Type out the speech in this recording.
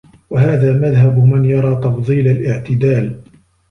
وَهَذَا مَذْهَبُ مَنْ يَرَى تَفْضِيلَ الِاعْتِدَالِ